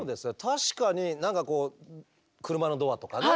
確かに何かこう車のドアとかね